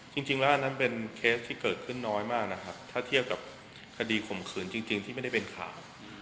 จริงแล้วอันนั้นเป็นเคสที่เกิดขึ้นน้อยมากนะครับถ้าเทียบกับคดีข่มขืนจริงที่ไม่ได้เป็นข่าว